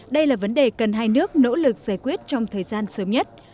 đây là vấn đề cần hai nước nỗ lực giải quyết trong thời gian sớm nhất